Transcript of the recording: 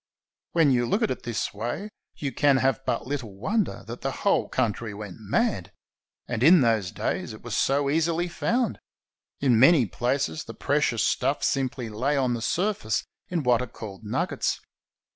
When you look at it in this way you can have but little wonder that the whole country went mad. And in those days it was so easily found. In many places the precious stuff simply lay on the surface in what are called nuggets.